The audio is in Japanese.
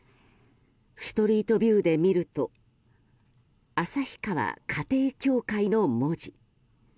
ストリートビューで見ると「旭川家庭教会」の文字。